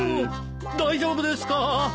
大丈夫ですか？